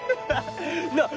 なあ